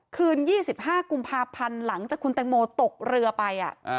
คืน๒๕กุมภาพันธ์หลังจากคุณแตงโมตกเรือไป